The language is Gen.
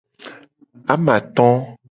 Amato.